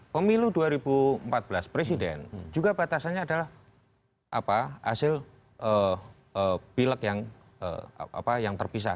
pemilu dua ribu empat belas presiden juga batasannya adalah hasil pilek yang terpisah